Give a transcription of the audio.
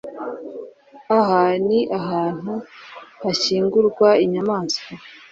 Aha ni ahantu hashyingurwa inyamaswa.